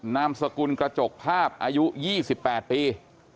นามสกุลกระจกภาพอายุ๒๘ปี